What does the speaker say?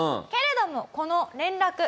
けれどもこの連絡。